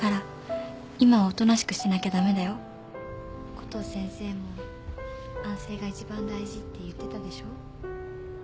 コトー先生も安静がいちばん大事って言ってたでしょう？